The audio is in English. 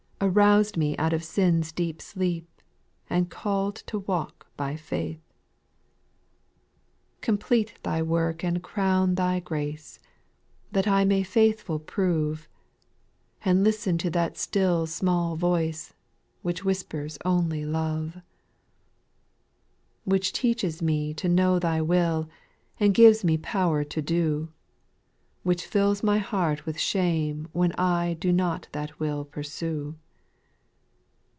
Aroused me out of sin's deep a\eep. And calVd to walk by faitVi. SPIRITUAL SONGS. 181 8. '' Complete Thy work and crown Thy grace, That I may faithful prove, And listen to that still small voice, Which whisi)ers only love. / 4. I "Which teaches me to know Thy will, And gives me power to do ; Which fills my heart with shame when I Do not that will pursue.